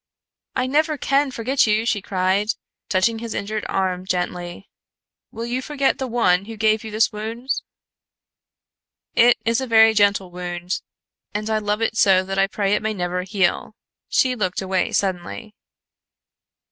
"I never can forget you," she cried, touching his injured arm gently. "Will you forget the one who gave you this wound?" "It is a very gentle wound, and I love it so that I pray it may never heal." She looked away suddenly.